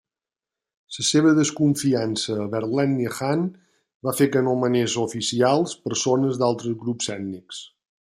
La seva desconfiança vers l'ètnia Han va fer que nomenés oficials persones d'altres grups ètnics.